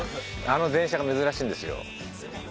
あの電車が珍しいんですよ。